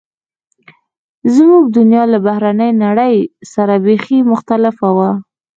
زموږ دنیا له بهرنۍ نړۍ سره بیخي مختلفه وه